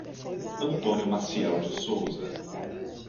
Antônio Maciel de Souza